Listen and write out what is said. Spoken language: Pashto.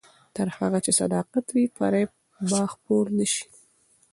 تر هغه چې صداقت وي، فریب به خپور نه شي.